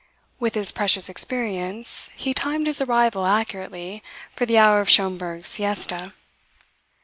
With his precious experience, he timed his arrival accurately for the hour of Schomberg's siesta.